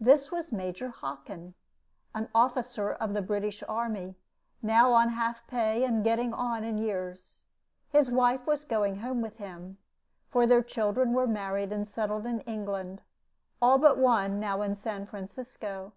This was Major Hockin, an officer of the British army, now on half pay, and getting on in years. His wife was going home with him; for their children were married and settled in England, all but one, now in San Francisco.